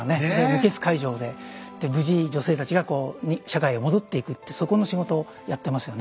無血開城でで無事女性たちが社会へ戻っていくってそこの仕事をやってますよね。